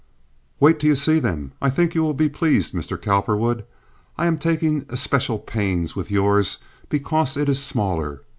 "Wait till you see them. I think you will be pleased, Mr. Cowperwood. I am taking especial pains with yours because it is smaller.